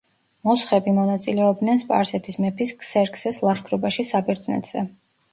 მოსხები მონაწილეობდნენ სპარსეთის მეფის ქსერქსეს ლაშქრობაში საბერძნეთზე.